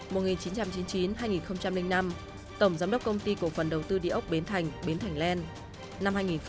mùa một nghìn chín trăm chín mươi chín hai nghìn năm tổng giám đốc công ty cổ phần đầu tư địa ốc bến thành bến thành land